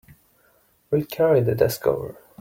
We'll carry the desk over.